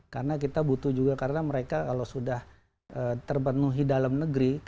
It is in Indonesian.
karena kita butuh juga karena mereka kalau sudah terpenuhi dalam negeri